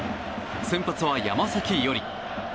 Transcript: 先発は山崎伊織。